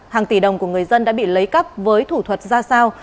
hàng tỷ đồng của người dân đã bị lấy cắp với thủ thuật ra sao